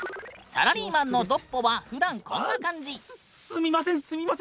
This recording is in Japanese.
サラリーマンの独歩はふだんこんな感じ。